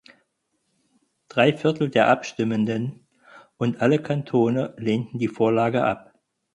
Drei Viertel der Abstimmenden und alle Kantone lehnten die Vorlage ab.